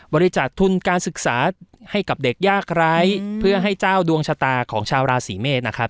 บริจาคทุนการศึกษาให้กับเด็กยากไร้เพื่อให้เจ้าดวงชะตาของชาวราศีเมษนะครับ